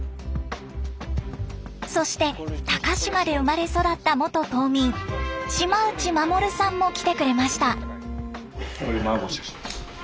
そして高島で生まれ育った元島民島内守さんも来てくれました。